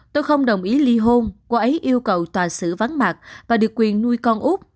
tôi không đồng ý ly hôn cô ấy yêu cầu tòa sử vắng mặt và được quyền nuôi con út